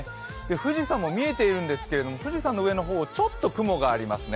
富士山も見えているんですけれども、富士山の上の方、ちょっと雲がありますね。